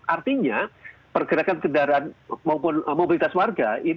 artinya pergerakan kendaraan maupun mobilitas warga